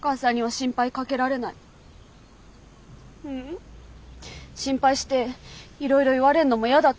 心配していろいろ言われんのも嫌だった。